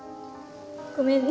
ごめんね。